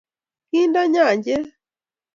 kindo nyanchet